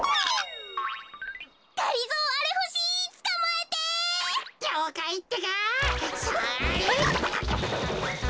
えっ？